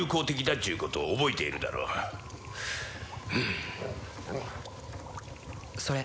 っちゅうことを覚えているだろそれ